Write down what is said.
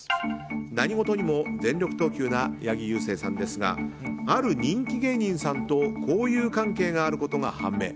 何事にも全力投球な八木勇征さんですがある人気芸人さんと交友関係があることが判明。